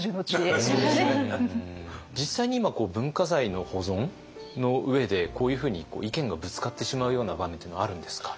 実際に今文化財の保存の上でこういうふうに意見がぶつかってしまうような場面っていうのはあるんですか？